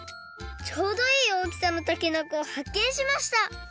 ちょうどいい大きさのたけのこをはっけんしました！